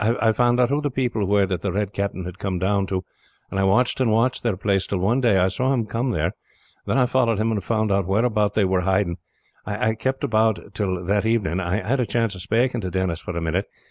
I found out who the people were that the Red Captain had come down to, and I watched and watched their place, till one day I saw him come there. Then I followed him and found out whereabout they were hiding. I kept about till, that evening, I had a chance of spaking to Denis for a minute.